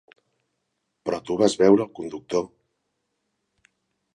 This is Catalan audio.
Però tu vas veure el conductor!